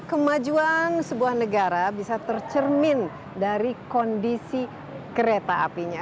kemajuan sebuah negara bisa tercermin dari kondisi kereta apinya